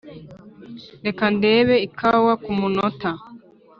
reka ndeke ikawa kumunota.